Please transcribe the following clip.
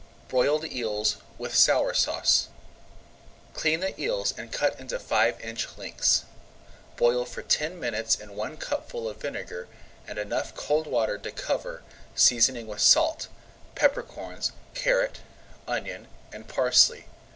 BROILED EELS WITH SOUR SAUCE Clean the eels and cut into five inch lengths. Boil for ten minutes in one cupful of vinegar and enough cold water to cover, seasoning with salt, pepper corns, carrot, onion, and parsley.